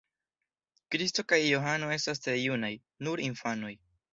Kristo kaj Johano estas tre junaj, nur infanoj.